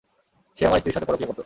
সে আমার স্ত্রীর সাথে পরকিয়া করতো।